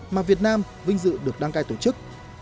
mà việt nam vinh dự được đăng cai tổ chức